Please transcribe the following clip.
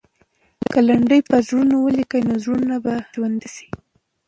که لنډۍ پر زړونو ولګي، نو زړونه به راژوندي سي.